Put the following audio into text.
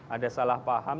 ada salah paham